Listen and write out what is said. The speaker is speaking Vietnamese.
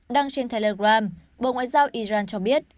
đăng trên telegram bộ ngoại giao iran cho biết